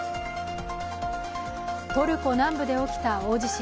トルコ南部で起きた大地震。